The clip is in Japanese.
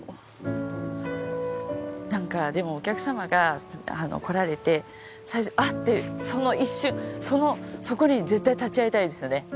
なんかでもお客様が来られて最初「あっ！」ってその一瞬そこに絶対立ち会いたいですよね。